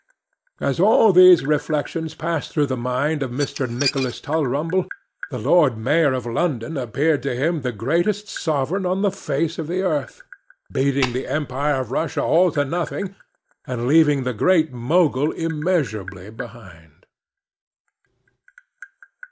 As all these reflections passed through the mind of Mr. Nicholas Tulrumble, the Lord Mayor of London appeared to him the greatest sovereign on the face of the earth, beating the Emperor of Russia all to nothing, and leaving the Great Mogul immeasurably behind.